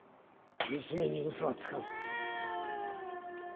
娘に嘘はつかん。